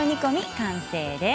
完成です。